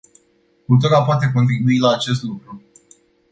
Cultura poate contribui la acest lucru.